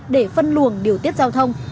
để phân luồng điều tiết giao thông